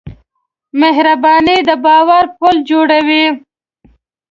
مهرباني د باور پُل جوړوي.